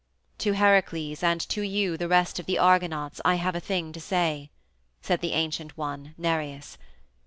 "To Heracles, and to you, the rest of the Argonauts, I have a thing to say," said the ancient one, Nereus.